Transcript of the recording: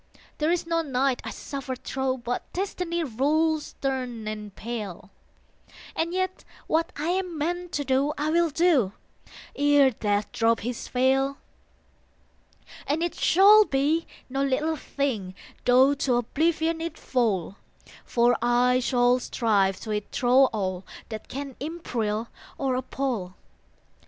There is no night I suffer thro But Destiny rules stern and pale: And yet what I am meant to do I will do, ere Death drop his veil. And it shall be no little thing, Tho to oblivion it fall, For I shall strive to it thro all That can imperil or appal.